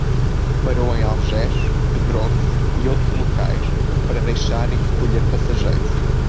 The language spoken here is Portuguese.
Parou em Algés, Pedrouços e outros locais para deixar e recolher passageiros.